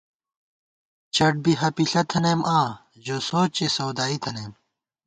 چٹ بی ہَپِݪہ تھنَئیم آں، ژو سوچے سودائی تھنَئیم